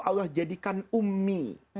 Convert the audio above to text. allah jadikan ummi